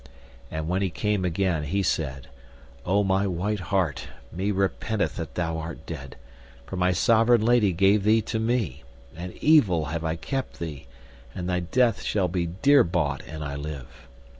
And when he came again, he said, O my white hart, me repenteth that thou art dead, for my sovereign lady gave thee to me, and evil have I kept thee, and thy death shall be dear bought an I live.